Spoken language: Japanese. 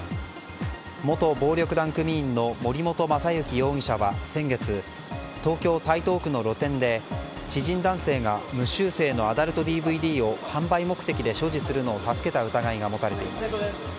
元暴力団組員の森本雅幸容疑者は先月、東京・台東区の露店で知人男性が無修正のアダルトＤＶＤを販売目的で所持するのを助けた疑いが持たれています。